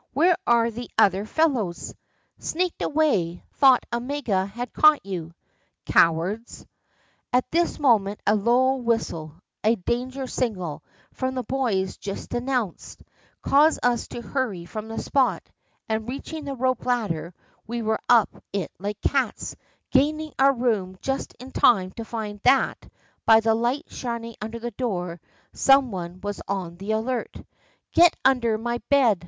Where are the other fellows?" "Sneaked away; thought Omega had caught you." "Cowards!" At this moment a low whistle, a danger signal, from the boys just denounced, caused us to hurry from the spot, and reaching the rope ladder, we were up it like cats, gaining our room just in time to find that, by the light shining under the door, some one was on the alert. "Get under my bed!"